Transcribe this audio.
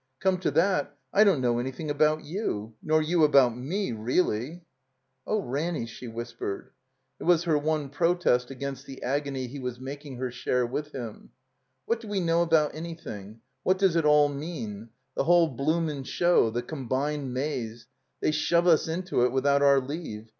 Come to that, I don't know anything about you. Nor you about me — reelly." "Oh, Raimy," she whispered. It was her one 342 THE COMBINED MAZE protest against the agony he was making her share with him. *'What do we know about anything? What does it all mean? The whole bloomin' show? The Com bined Maze? They shove us into it without our leave.